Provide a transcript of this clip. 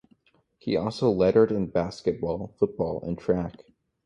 He also lettered in basketball, football and track.